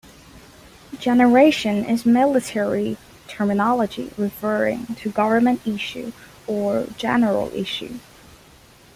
Generation" is military terminology referring to "Government Issue" or "General Issue".